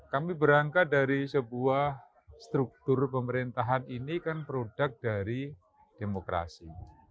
kami berangkat dari sebuah struktur pemerintahan ini kan produk dari demokrasi